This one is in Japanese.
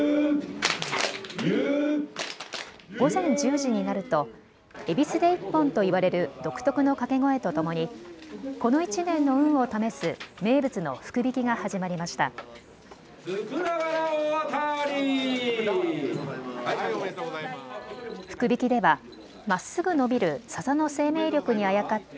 午前１０時になるとえびす手一本と言われる独特の掛け声とともにこの１年の運を試す名物の福引きが始まりました。